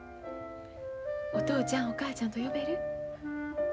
お父ちゃんお母ちゃんと呼べる？